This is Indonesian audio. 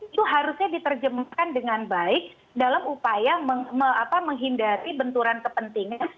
itu harusnya diterjemahkan dengan baik dalam upaya menghindari benturan kepentingan